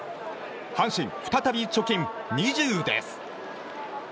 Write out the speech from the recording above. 阪神、再び貯金２０です。